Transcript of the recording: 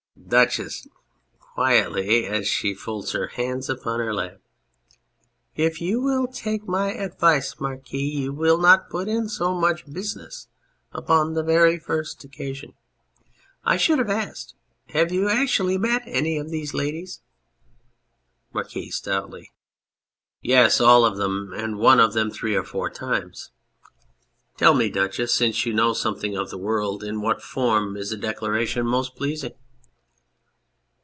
DUCHESS (quietly, as she folds her hands upon her lap}. If you will take my advice, Marquis, you will not put in so much business upon the very first occasion. I should have asked Have you actually met any of these ladies ? MARQUIS (stoutly). Yes, all of them, and one of them three or four times. Tell me, Duchess, since you know something of the world, in what form is a declaration most pleasing